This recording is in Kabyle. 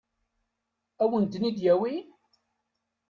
Ad wen-ten-id-yawi?